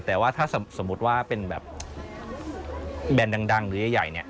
แต่ว่าถ้าสมมติว่าเป็นแบรนด์ดังหรือใหญ่